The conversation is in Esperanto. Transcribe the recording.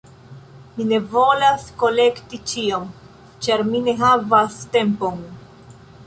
Mi ne volas kolekti ĉion, ĉar mi ne havas tempon.